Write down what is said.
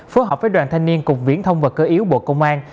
phối hợp với đoàn thanh niên cục viễn thông và cơ yếu bộ công an